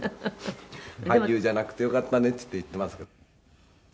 俳優じゃなくてよかったねって言ってます」